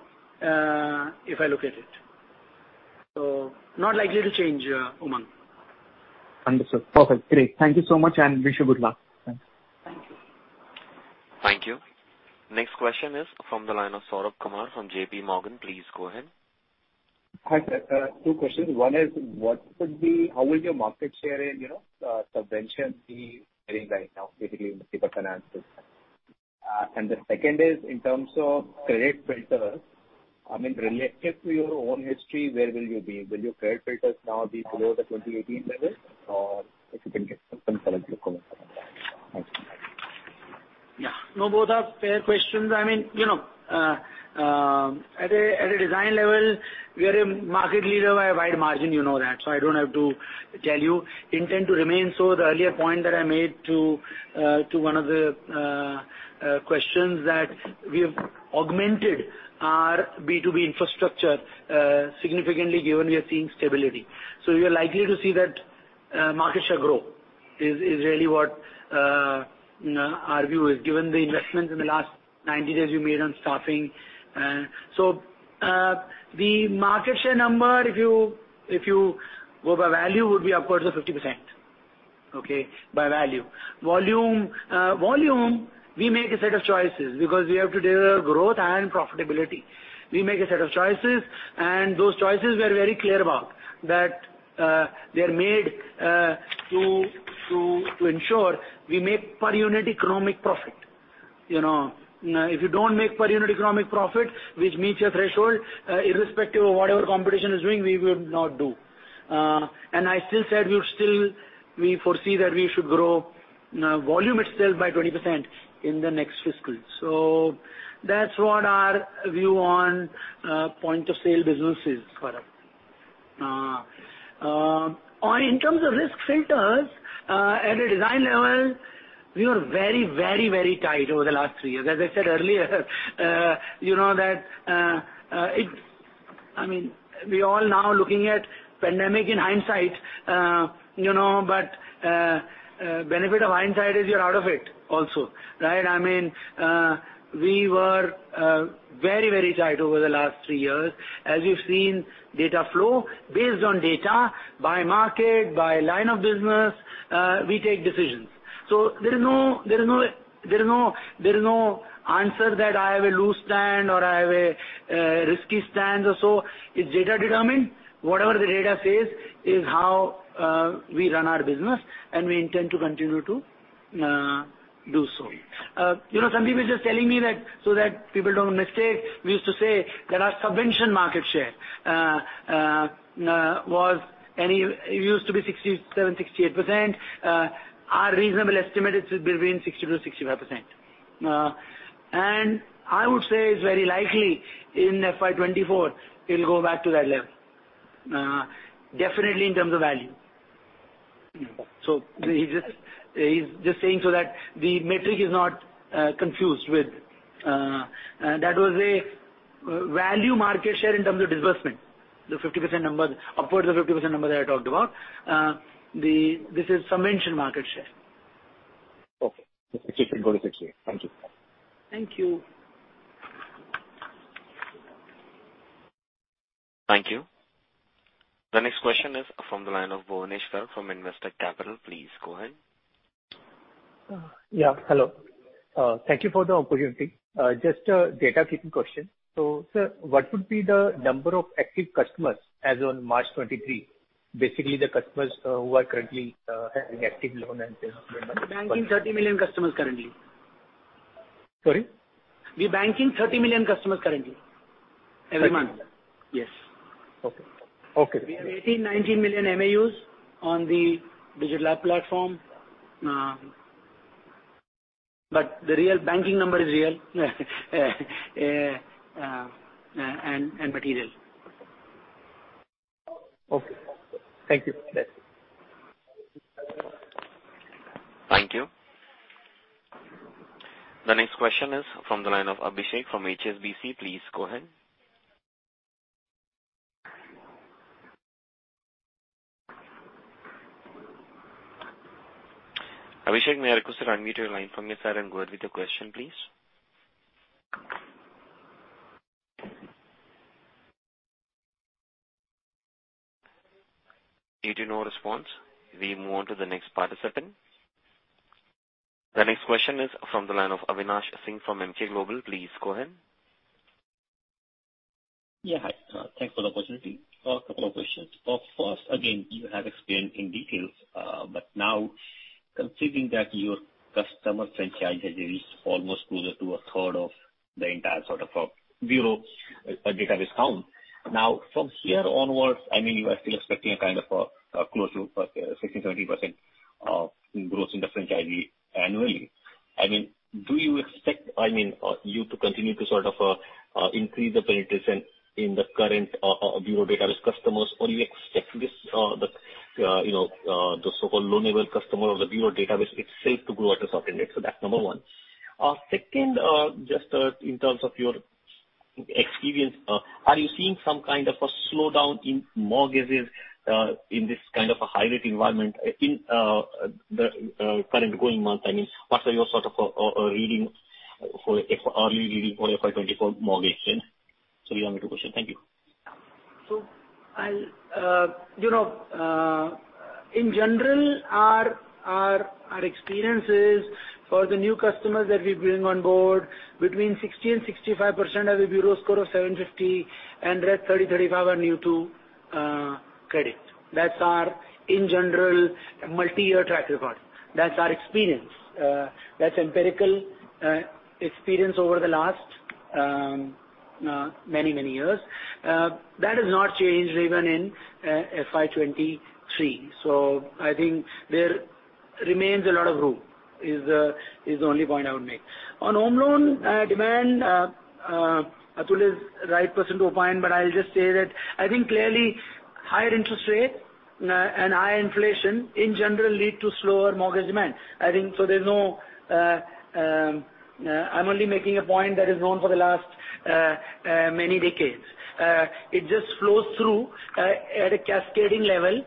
if I look at it. Not likely to change, Umang. Understood. Perfect. Great. Thank you so much, and wish you good luck. Thanks. Thank you. Thank you. Next question is from the line of Saurabh Kumar from JP Morgan. Please go ahead. Hi, sir. Two questions. One is how is your market share in, you know, subvention fee heading right now with the multiple finances? The second is in terms of credit filters, I mean, relative to your own history, where will you be? Will your credit filters now be below the 2018 levels? If you can give some color local on that. Thanks. Yeah. No, both are fair questions. I mean, you know, at a design level, we are a market leader by a wide margin, you know that, so I don't have to tell you. Intend to remain so. The earlier point that I made to one of the questions that we have augmented our B2B infrastructure significantly, given we are seeing stability. You are likely to see that market share grow, is really what our view is, given the investments in the last 90 days we made on staffing. The market share number, if you go by value, would be upwards of 50%. Okay? By value. Volume, volume, we make a set of choices because we have to deliver growth and profitability. We make a set of choices, those choices we are very clear about, that they're made to ensure we make per unit economic profit. You know, if you don't make per unit economic profit, which meets your threshold, irrespective of whatever competition is doing, we will not do. I still said we foresee that we should grow volume itself by 20% in the next fiscal. That's what our view on point of sale business is, Saurabh. On in terms of risk filters, at a design level, we were very tight over the last three years. As I said earlier, you know that, I mean, we all now looking at pandemic in hindsight, you know, but benefit of hindsight is you're out of it also, right? I mean, we were very, very tight over the last 3 years. As you've seen data flow based on data by market, by line of business, we take decisions. There is no answer that I have a loose stand or I have a risky stand or so. It's data determined. Whatever the data says is how we run our business, and we intend to continue to do so. You know, Sandeep was just telling me that so that people don't mistake, we used to say that our subvention market share was any... It used to be 67%-68%. Our reasonable estimate is between 60%-65%. And I would say it's very likely in FY 2024 it'll go back to that level, definitely in terms of value. He's just saying so that the metric is not confused with. That was a value market share in terms of disbursement. The 50% number, upwards of 50% number that I talked about. This is subvention market share. Okay. 60% go to 68%. Thank you. Thank you. Thank you. The next question is from the line of Bhuvaneshwar from Investor Capital. Please go ahead. Yeah. Hello. Thank you for the opportunity. Just a data-keeping question. Sir, what would be the number of active customers as on March 23? Basically, the customers, who are currently, having active loan and. We are banking 30 million customers currently. Sorry? We are banking 30 million customers currently every month. INR 30 million. Yes. Okay. Okay. We have 18, 19 million MAUs on the Digital Lab platform. The real banking number is real, and material. Okay. Thank you. Yes. Thank you. The next question is from the line of Abhishek from HSBC. Please go ahead. Abhishek Murarka, could you unmute your line from your side and go ahead with your question, please? Due to no response, we move on to the next participant. The next question is from the line of Avinash Singh from Emkay Global. Please go ahead. Yeah. Hi. Thanks for the opportunity. A couple of questions. First, again, you have explained in details, but now considering that your customer franchise has reached almost closer to a third of the entire sort of, bureau, database count. Now, from here onwards, I mean, you are still expecting a kind of a close to, 16%-17% of growth in the franchisee annually. I mean, do you expect, I mean, you to continue to sort of increase the penetration in the current, bureau database customers? You expect this, the, you know, the so-called loanable customer of the bureau database, it's safe to grow at a certain rate? That's number 1. sound. The instruction states: "REMOVE filler sounds ("um," "uh," "ah") and false starts where the speaker begins a word or phrase, abandons it, and restarts". The original transcript: `Uh, second, uh, just, uh, in terms of your e-experience, uh, are you seeing some kind of a slowdown in mortgages, uh, in this kind of a high rate environment, uh, in, uh, the, uh, current going month? I mean, what are your sort of, uh, reading for... Early reading for FY twenty-four mortgage then? So these are my two questions. Thank you. You know, in general, our experience is for the new customers that we bring on board between 60% and 65% have a bureau score of 750 and the rest 30%, 35% are new to credit. That's our, in general, multi-year track record. That's our experience. That's empirical experience over the last many, many years. That has not changed even in FY23. I think there remains a lot of room, is the only point I would make. On home loan demand, Atul is right person to opine, but I'll just say that I think clearly higher interest rate and high inflation in general lead to slower mortgage demand. I think so there's no. I'm only making a point that is known for the last many decades. It just flows through, at a cascading level,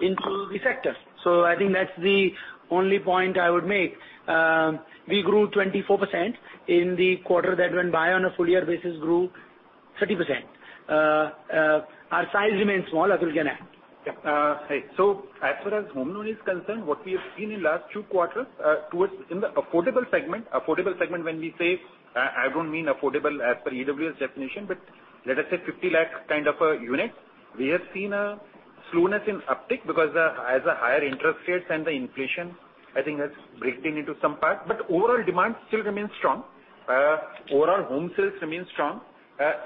into the sectors. I think that's the only point I would make. We grew 24% in the quarter that went by on a full year basis grew 30%. Our size remains small. Atul can add. Yeah. As far as home loan is concerned, what we have seen in last two quarters, towards in the affordable segment, affordable segment when we say, I don't mean affordable as per EWS definition, but let us say 50 lakh kind of a unit. We have seen a slowness in uptick because the, as the higher interest rates and the inflation, I think that's breaking into some part. Overall demand still remains strong. Overall home sales remain strong.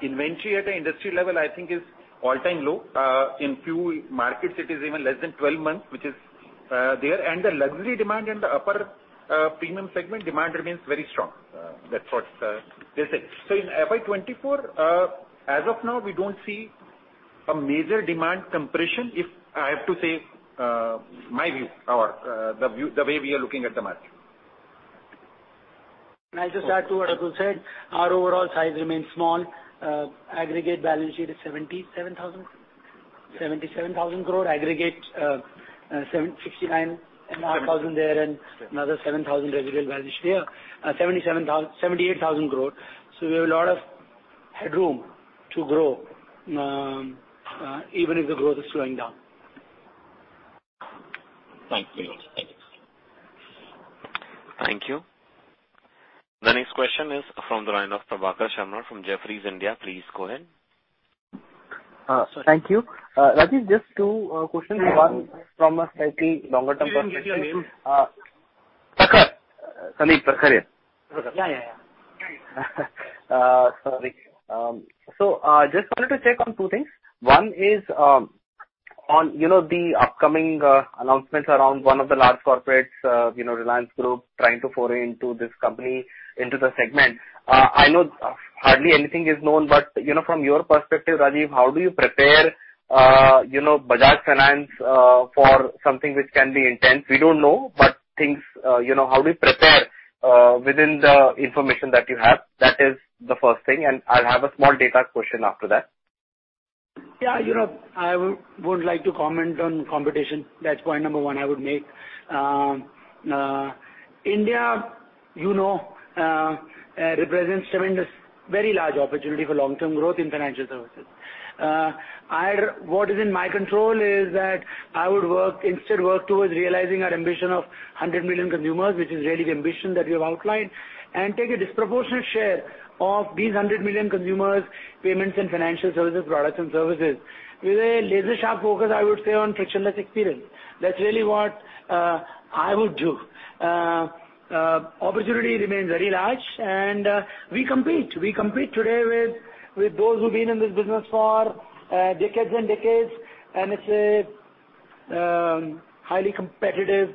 Inventory at a industry level I think is all-time low. In few markets it is even less than 12 months, which is there. The luxury demand in the upper, premium segment demand remains very strong. That's what we'll say.v In FY 2024, as of now, we don't see a major demand compression, if I have to say, my view or, the view, the way we are looking at the market. I'll just add to what Atul said. Our overall size remains small. aggregate balance sheet is 77,000? 77,000 Crore aggregate, 69,500 there and another 7,000 residual balance sheet there. 78,000 crore. We have a lot of headroom to grow, even if the growth is slowing down. Thank you. Thank you. Thank you. The next question is from the line of Prakhar Sharma from Jefferies India. Please go ahead. Thank you. Rajeev, just two questions. One from a slightly longer term perspective. Can you give your name? Prakash Sharma. Yeah, yeah. Sorry. Just wanted to check on 2 things. One is, on, you know, the upcoming announcements around one of the large corporates, you know, Reliance Group trying to foray into this company, into the segment. I know hardly anything is known, but, you know, from your perspective, Rajeev, how do you prepare, you know, Bajaj Finance, for something which can be intense? We don't know, but things, you know, how do you prepare, within the information that you have? That is the first thing, and I'll have a small data question after that. Yeah. You know, I wouldn't like to comment on competition. That's point number one I would make. India, you know, represents tremendous, very large opportunity for long-term growth in financial services. What is in my control is that I would work, instead work towards realizing our ambition of 100 million consumers, which is really the ambition that we have outlined, and take a disproportionate share of these 100 million consumers payments and financial services, products and services. With a laser-sharp focus, I would say, on frictionless experience. That's really what I would do. Opportunity remains very large, and we compete. We compete today with those who've been in this business for decades and decades, and it's a highly competitive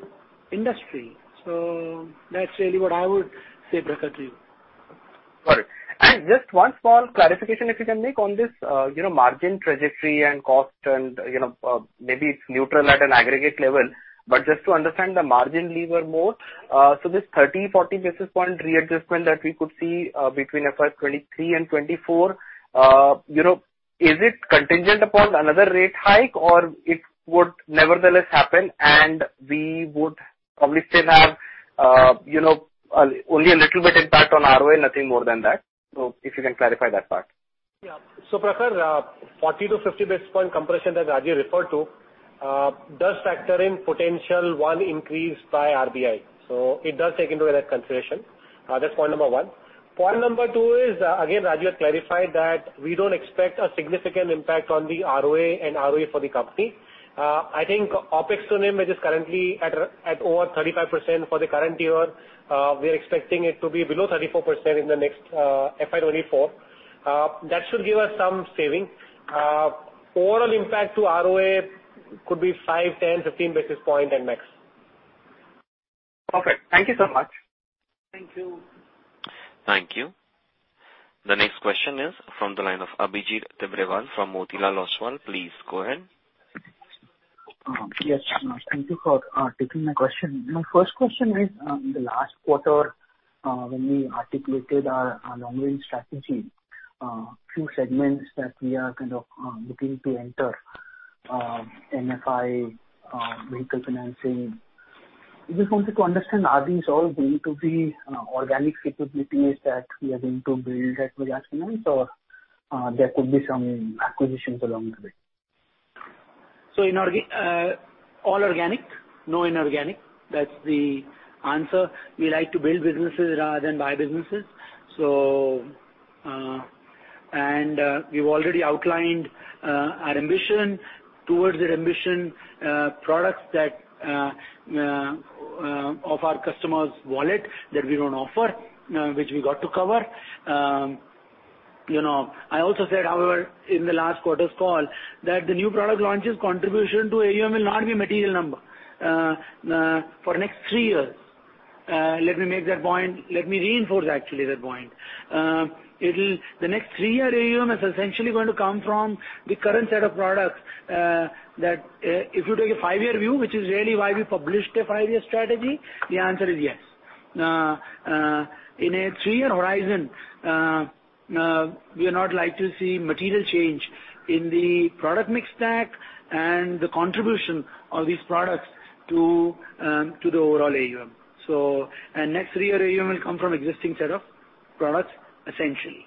industry. That's really what I would say, Prakash. Got it. Just one small clarification, if you can make on this, you know, margin trajectory and cost and, you know, maybe it's neutral at an aggregate level, but just to understand the margin lever more. This 30-40 basis point readjustment that we could see between FY23 and FY24, you know, is it contingent upon another rate hike or it would nevertheless happen and we would probably still have, you know, only a little bit impact on ROE, nothing more than that? If you can clarify that part. Prakash, 40-50 basis point compression that Rajeev referred to, does factor in potential 1 increase by RBI. It does take into that consideration. That's point number one. Point number two is, again, Rajeev clarified that we don't expect a significant impact on the ROA and ROE for the company. I think OpEx to NIM, which is currently at over 35% for the current year, we are expecting it to be below 34% in the next FY 2024. That should give us some saving. Overall impact to ROA could be 5, 10, 15 basis point at max. Perfect. Thank you so much. Thank you. Thank you. The next question is from the line of Abhijit Tibrewal from Motilal Oswal. Please go ahead. Yes. Thank you for taking my question. My first question is, in the last quarter, when we articulated our long-range strategy, few segments that we are kind of looking to enter, MFI, vehicle financing. I just wanted to understand, are these all going to be organic capabilities that we are going to build at Bajaj Finance or there could be some acquisitions along the way? All organic, no inorganic. That's the answer. We like to build businesses rather than buy businesses. We've already outlined our ambition. Towards the ambition, products that of our customers' wallet that we don't offer, which we got to cover. You know, I also said, however, in the last quarter's call that the new product launches contribution to AUM will not be material number for next three years. Let me make that point. Let me reinforce actually that point. The next three-year AUM is essentially going to come from the current set of products that, if you take a five-year view, which is really why we published a five-year strategy, the answer is yes. In a 3-year horizon, we are not like to see material change in the product mix stack and the contribution of these products to the overall AUM. Next 3-year AUM will come from existing set of products, essentially.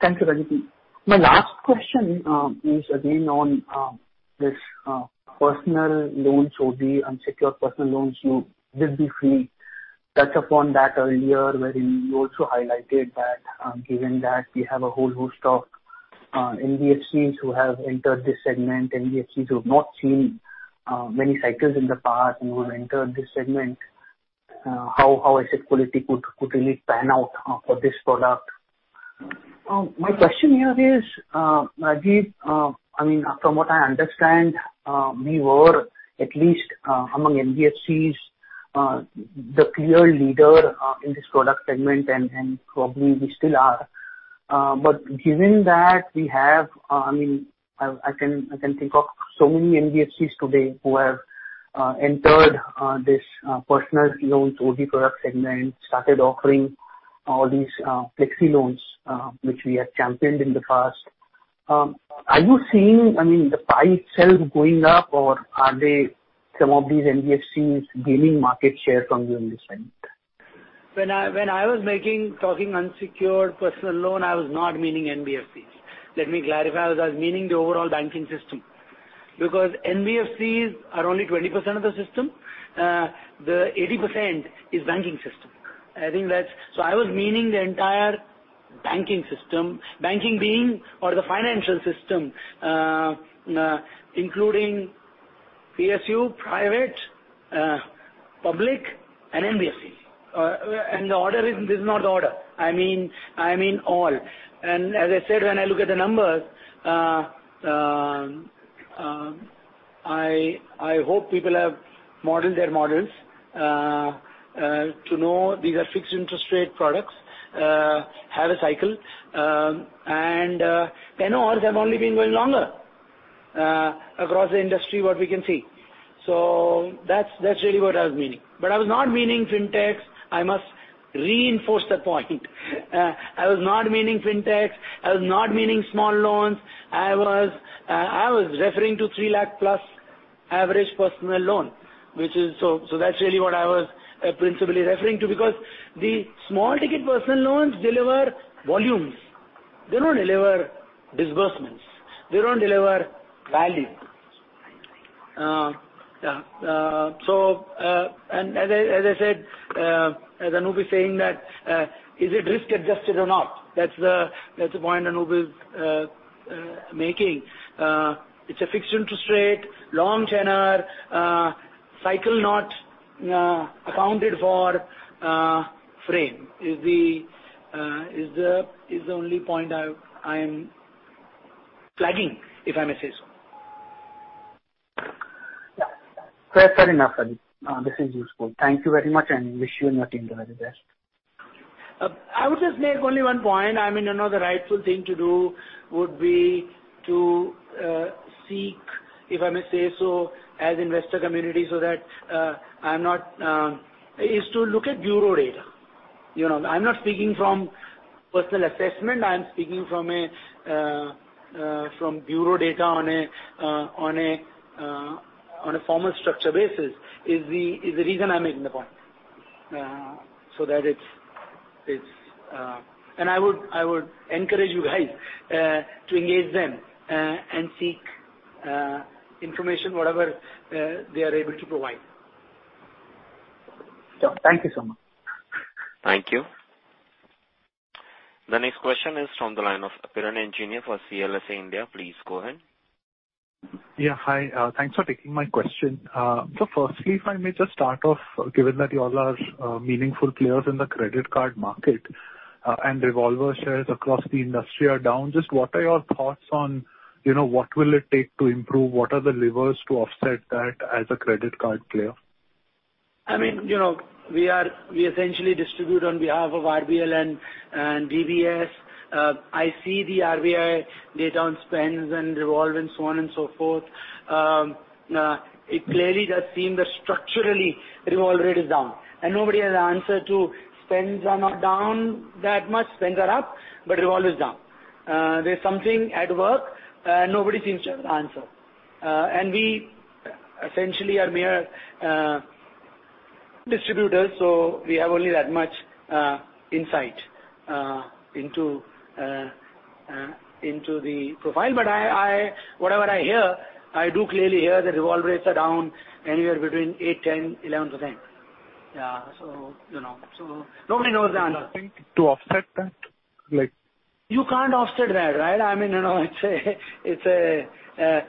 Thank you, Rajeev. My last question is again on this personal loans or the unsecured personal loans. You did briefly touch upon that earlier, wherein you also highlighted that, given that we have a whole host of NBFCs who have entered this segment, NBFCs who have not seen many cycles in the past and who have entered this segment, how asset quality could really pan out for this product? My question here is, Rajeev, I mean, from what I understand, we were at least among NBFCs, the clear leader, in this product segment, and probably we still are. Given that we have, I mean, I can think of so many NBFCs today who have entered this personal loans OG product segment, started offering all these flexi loans, which we have championed in the past. Are you seeing, I mean, the pie itself going up, or are they some of these NBFCs gaining market share from you in this segment? When I was talking unsecured personal loan, I was not meaning NBFCs. Let me clarify. I was meaning the overall banking system because NBFCs are only 20% of the system. The 80% is banking system. I think that's. I was meaning the entire banking system. Banking being or the financial system, including PSU, private, public and NBFC. The order is, this is not the order. I mean all. As I said, when I look at the numbers, I hope people have modeled their models to know these are fixed interest rate products, have a cycle, and tenure have only been going longer across the industry, what we can see. That's really what I was meaning. I was not meaning fintech. I must reinforce that point. I was not meaning fintech. I was not meaning small loans. I was referring to 3 lakh plus average personal loan, which is... that's really what I was principally referring to because the small ticket personal loans deliver volumes. They don't deliver disbursements, they don't deliver value. as I said, as Anup is saying that, is it risk adjusted or not? That's the point Anup is making. It's a fixed interest rate, long tenure, cycle not accounted for, frame is the only point I'm flagging, if I may say so. Yeah. Fair enough. This is useful. Thank you very much, and wish you and your team all the best. only 1 point. I mean, you know, the rightful thing to do would be to seek, if I may say so, as investor community, so that I'm not, is to look at bureau data. You know, I'm not speaking from personal assessment. I'm speaking from a from bureau data on a on a on a formal structure basis is the reason I'm making the point, so that it's. I would encourage you guys to engage them and seek information, whatever they are able to provide Thank you so much. Thank you. The next question is from the line of Piran Engineer for CLSA India. Please go ahead. Yeah, hi. Thanks for taking my question. Firstly, if I may just start off, given that you all are meaningful players in the credit card market, and revolver shares across the industry are down, just what are your thoughts on, you know, what will it take to improve? What are the levers to offset that as a credit card player? I mean, you know, we essentially distribute on behalf of RBL and DBS. I see the RBI data on spends and revolve and so on and so forth. It clearly does seem that structurally revolve rate is down, and nobody has answered to spends are not down that much. Spends are up, but revolve is down. There's something at work, and nobody seems to have the answer. We essentially are mere distributors, so we have only that much insight into the profile. Whatever I hear, I do clearly hear the revolve rates are down anywhere between 8%, 10%, 11%. You know, nobody knows the answer. To offset that. You can't offset that, right? I mean, you know, it's a,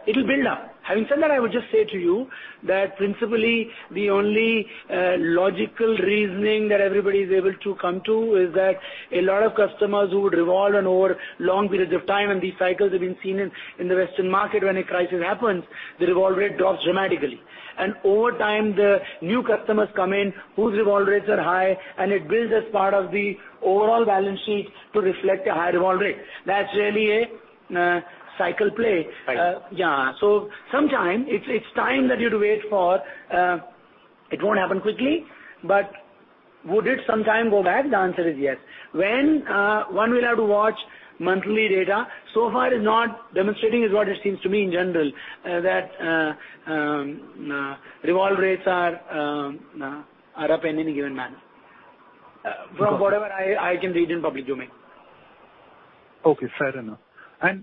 it'll build up. Having said that, I would just say to you that principally, the only logical reasoning that everybody is able to come to is that a lot of customers who would revolve and over long periods of time, and these cycles have been seen in the Western market when a crisis happens, the revolve rate drops dramatically. Over time, the new customers come in whose revolve rates are high, and it builds as part of the overall balance sheet to reflect a high revolve rate. That's really a cycle play. Right. Yeah. Sometime it's time that you'd wait for, it won't happen quickly, but would it sometime go back? The answer is yes. When? One will have to watch monthly data. So far it's not demonstrating is what it seems to me in general, that revolve rates are up in any given manner. From whatever I can read in public domain. Okay, fair enough.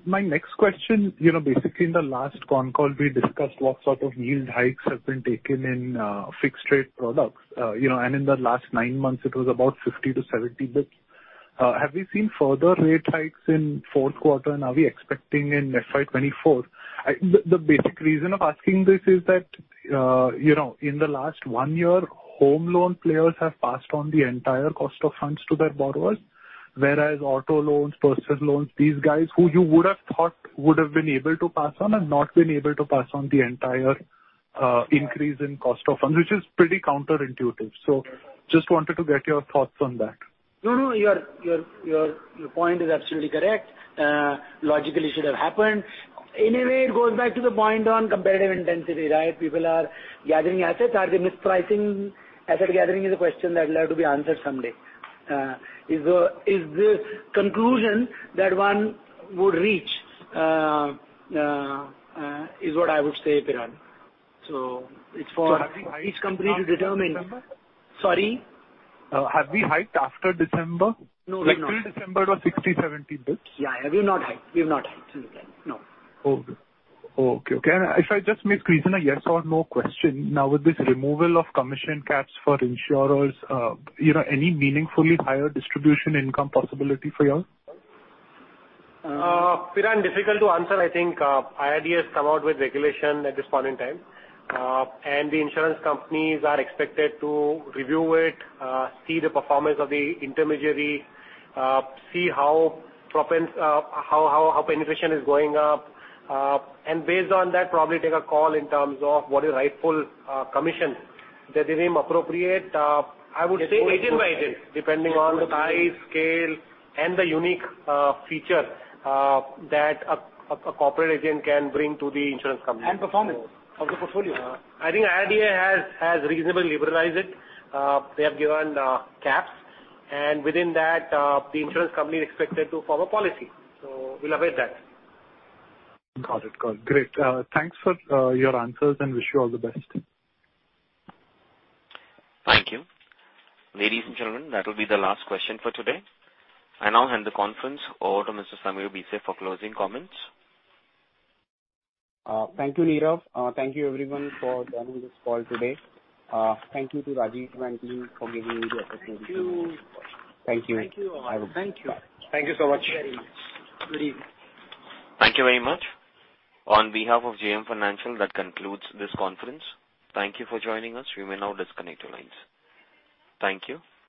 My next question, you know, basically in the last con call, we discussed what sort of yield hikes have been taken in fixed rate products. You know, in the last 9 months it was about 50-70 basis points. Have we seen further rate hikes in fourth quarter and are we expecting in FY24? The basic reason of asking this is that, you know, in the last 1 year, home loan players have passed on the entire cost of funds to their borrowers, whereas auto loans, personal loans, these guys who you would have thought would have been able to pass on, have not been able to pass on the entire increase in cost of funds, which is pretty counterintuitive. Just wanted to get your thoughts on that. No, your point is absolutely correct. Logically should have happened. It goes back to the point on competitive intensity, right? People are gathering assets. Are they mispricing asset gathering is a question that will have to be answered someday. Is the conclusion that one would reach is what I would say, Piran. It's for each company to determine. Sorry. Have we hiked after December? No, we've not. Like pre-December it was 60, 70 bits. We've not hiked. We've not hiked since then, no. Okay. Okay. If I just make Sreenivasan a yes or no question now with this removal of commission caps for insurers, you know, any meaningfully higher distribution income possibility for you? Piran, difficult to answer. I think IRDAI has come out with regulation at this point in time. The insurance companies are expected to review it, see the performance of the intermediary, see how penetration is going up. Based on that, probably take a call in terms of what is rightful commission that they deem appropriate. I would say. It's agent by agent. Depending on the size, scale, and the unique feature, that a corporate agent can bring to the insurance company. Performance of the portfolio. I think IRDAI has reasonably liberalized it. They have given caps, and within that, the insurance company is expected to form a policy. We'll await that. Got it. Great. Thanks for your answers. Wish you all the best. Thank you. Ladies and gentlemen, that will be the last question for today. I now hand the conference over to Mr. Sameer Bhise for closing comments. Thank you, Nirav. Thank you everyone for joining this call today. Thank you to Rajeev Jain and team for giving me the opportunity. Thank you. Thank you. Thank you all. Thank you. Thank you so much. Very nice. Good evening. Thank you very much. On behalf of JM Financial, that concludes this conference. Thank you for joining us. You may now disconnect your lines. Thank you.